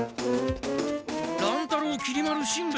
乱太郎きり丸しんべ